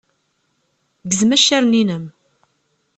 Gzem accaren-innem.